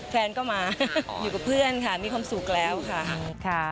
แฟนก็มาอยู่กับเพื่อนค่ะมีความสุขแล้วค่ะ